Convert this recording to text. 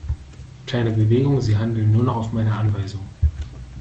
Keine Bewegung, sie handeln nur noch auf meine Anweisung!